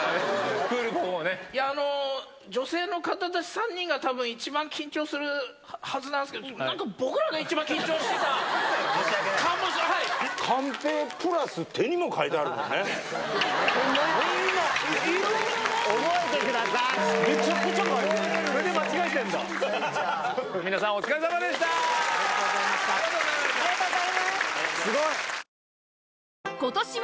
女性の方たち、３人がたぶん、一番緊張するはずなんですけど、僕らが一番緊張してたかもしれない。